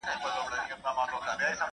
دا ویبپاڼه تر هغي بلي ډېره چټکه ده.